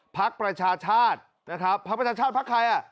พักประชาชาตินะครับพักประชาชาติพักใครอ่ะ